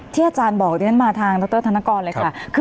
ที่อาจารย์บอกมาทางดรธนกรเลยค่ะ